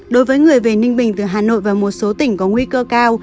đối với người về ninh bình từ hà nội và một số tỉnh có nguy cơ cao